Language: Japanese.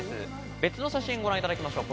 別の写真をご覧いただきましょう。